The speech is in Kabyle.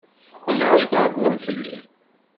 Ayɣer i tɛeṭṭlem fell-i?